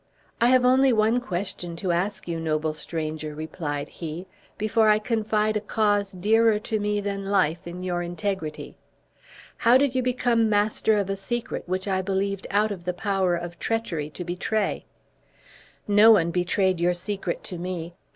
"I have only one question to ask you, noble stranger," replied he, "before I confide a cause dearer to me than life in your integrity. How did you become master of a secret, which I believed out of the power of treachery to betray?" "No one betrayed your secret to me.